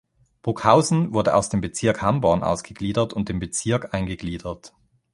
Bruckhausen wurde aus dem Bezirk Hamborn ausgegliedert und dem Bezirk eingegliedert.